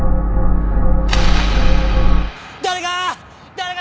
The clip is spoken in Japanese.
誰か！